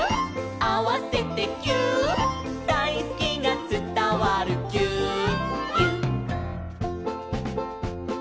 「あわせてぎゅーっ」「だいすきがつたわるぎゅーっぎゅっ」